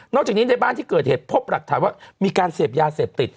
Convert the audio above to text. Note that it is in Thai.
จากนี้ในบ้านที่เกิดเหตุพบหลักฐานว่ามีการเสพยาเสพติด